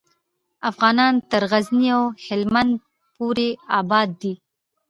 افغانان تر غزني او هیلمند پورې آباد دي.